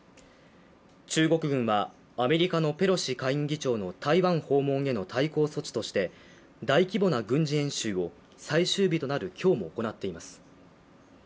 中国軍はアメリカのペロシ下院議長の台湾訪問への対抗措置として大規模な軍事演習を最終日となる今日も行っています